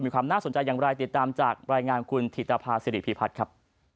ความน่าสนใจอย่างไรติดตามจากรายงานคุณถิตภาษิริพิพัฒน์ครับ